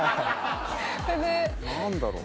何だろう？